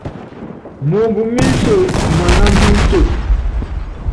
Moomb mí nso manámb inso.